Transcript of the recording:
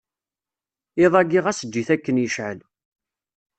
Iḍ-ayi ɣas eǧǧ-it akken yecɛel.